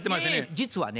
実はね